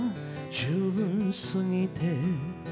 「十分過ぎて」